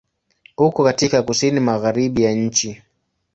Uko katika Kusini Magharibi ya nchi.